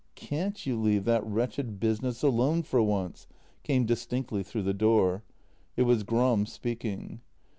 "Can't you leave that wretched business alone for once?" came distinctly through the door; it was Gram speaking.